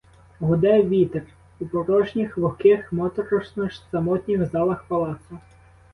Гуде вітер у порожніх, вогких, моторошно самотніх залах палацу.